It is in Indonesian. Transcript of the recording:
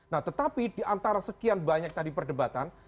nah tetapi di antara sekian banyak tadi perdebatan